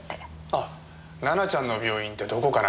あ奈々ちゃんの病院ってどこかな？